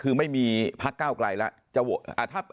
คือไม่มีพักเก้าไกลแล้วจะโหวต